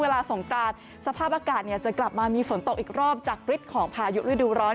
สงกรานสภาพอากาศจะกลับมามีฝนตกอีกรอบจากฤทธิ์ของพายุฤดูร้อน